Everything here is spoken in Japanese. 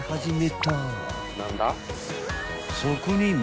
［そこに］